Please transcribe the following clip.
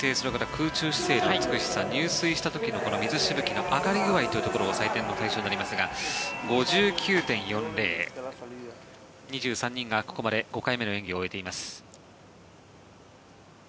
空中姿勢の美しさ入水した時の水しぶきの上がり具合というところが採点の対象になりますが５９．４０２３人がここまで５回目の演技を終えています。